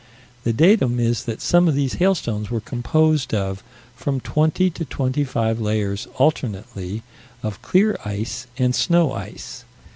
The datum is that some of these hailstones were composed of from twenty to twenty five layers alternately of clear ice and snow ice.